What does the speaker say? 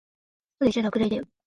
これじゃ落第だよ。